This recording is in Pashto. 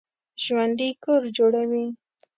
ژوندي کور جوړوي